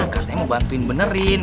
katanya mau bantuin benerin